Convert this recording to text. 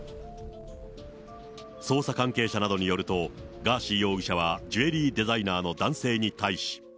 捜査関係者などによると、ガーシー容疑者はジュエリーデザイナーの男性に対し。